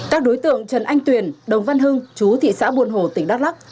các đối tượng trần anh tuyển đồng văn hưng chú thị xã buồn hồ tỉnh đắk lắc